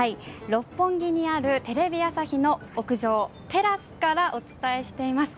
六本木にあるテレビ朝日の屋上テラスからお伝えしています。